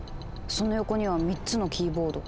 その横には３つのキーボード。